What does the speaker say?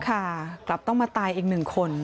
ค่ะกลับต้องมาตายอีกหนึ่งคน